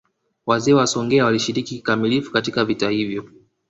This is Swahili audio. Wazee wa Songea walishiriki kikamilifu katika vita hivyo